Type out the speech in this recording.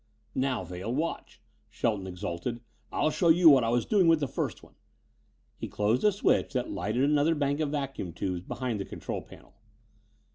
"Now, Vail, watch," Shelton exulted. "I'll show you what I was doing with the first one." He closed a switch that lighted another bank of vacuum tubes behind the control panel.